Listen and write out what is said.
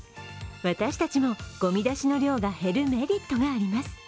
私たちもごみ出しの量が減るメリットがあります。